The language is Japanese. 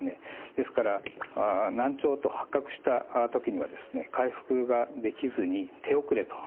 ですから難聴と発覚した時にはですね回復ができずに手遅れとなっている状態なんです。